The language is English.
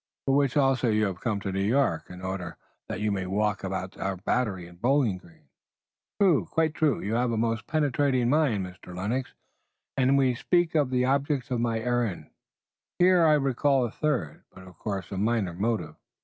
"For which also you have come to New York in order that you may walk about our Battery and Bowling Green." "True! Quite true! You have a most penetrating mind, Mr. Lennox, and since we speak of the objects of my errand here I recall a third, but of course, a minor motive."